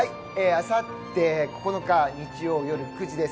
あさって９日、日曜夜９時です。